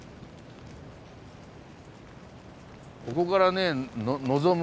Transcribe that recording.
ここからね望む